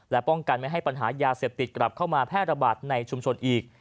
และป้องกันไม่ให้ปัญหายาเสพติดกลับเข้ามาแพร่ระบาดในชุมชนอีก